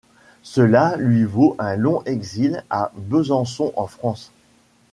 Cela lui vaut un long exil à Besançon en France.